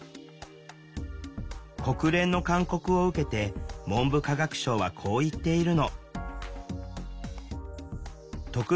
国連の勧告を受けて文部科学省はこう言っているの。